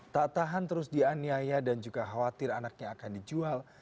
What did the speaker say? tak tahan terus dianiaya dan juga khawatir anaknya akan dijual